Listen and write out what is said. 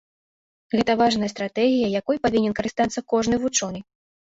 Гэта важная стратэгія, якой павінен карыстацца кожны вучоны.